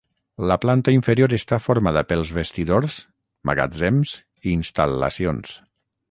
La planta inferior està formada pels vestidors, magatzems i instal·lacions.